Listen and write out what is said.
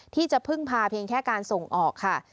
ที่จะพึ่งพาเพียงแค่การส่งออกค่ะ